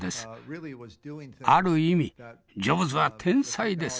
ある意味ジョブズは天才です。